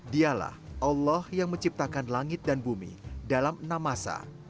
dialah allah yang menciptakan langit dan bumi dalam enam masa